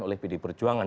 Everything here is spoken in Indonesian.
oleh pdi perjuangan